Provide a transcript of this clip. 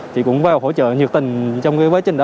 thì cũng vào hỗ trợ nhiệt tình trong cái quá trình đó